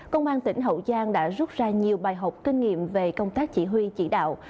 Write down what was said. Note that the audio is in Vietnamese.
công an tỉnh hậu giang đã rút ra nhiều bài học kinh nghiệm về công tác chỉ huy chỉ đạo